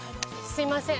すいません。